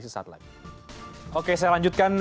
sesaat lagi oke saya lanjutkan